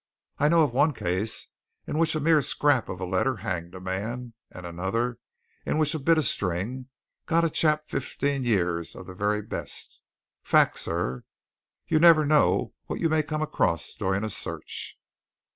I've known one case in which a mere scrap of a letter hanged a man, and another in which a bit of string got a chap fifteen years of the very best fact, sir! You never know what you may come across during a search."